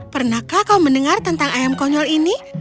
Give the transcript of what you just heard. pernahkah kau mendengar tentang ayam konyol ini